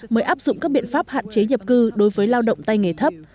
mới áp dụng các biện pháp hạn chế nhập cư đối với lao động tay nghề thấp